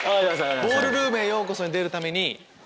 『ボールルームへようこそ』に出るために。